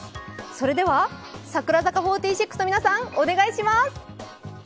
それでは櫻坂４６の皆さん、お願いします。